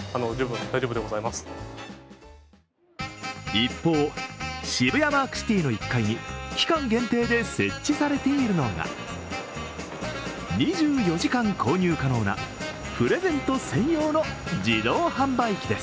一方、渋谷マークシティの１階に期間限定で設置されているのが２４時間購入可能なプレゼント専用の自動販売機です。